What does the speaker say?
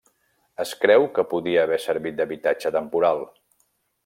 Es creu que podia haver servit d'habitatge temporal.